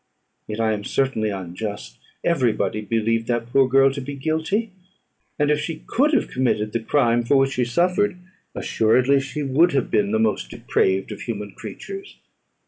Yet I am certainly unjust. Every body believed that poor girl to be guilty; and if she could have committed the crime for which she suffered, assuredly she would have been the most depraved of human creatures.